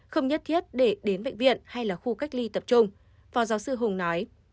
không nhất thiết để đến bệnh viện hay là khu cách ly tập trung phó giáo sư hùng nói